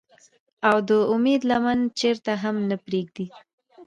او د اميد لمن چرته هم نۀ پريږدي ۔